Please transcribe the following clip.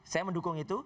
saya mendukung itu